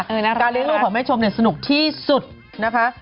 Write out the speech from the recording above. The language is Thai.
อือน่ารักครับการเล่นลูกของแม่ชมสนุกที่สุดนะคะ